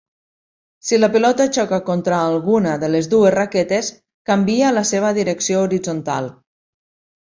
Si la pilota xoca contra alguna de les dues raquetes, canvia la seva direcció horitzontal.